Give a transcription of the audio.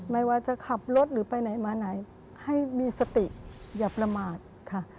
ไม่ว่าจะขับรถหรือไปไหนมาไหนให้มีสติอย่าประมาทค่ะ